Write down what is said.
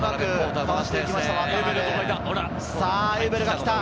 エウベルが来た！